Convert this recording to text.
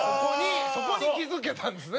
そこに気付けたんですね。